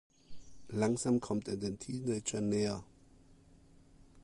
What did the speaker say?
Langsam kommt er den Teenagern näher.